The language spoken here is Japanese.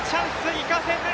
生かせず！